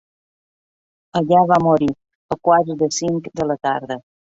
Allà va morir, a quarts de cinc de la tarda.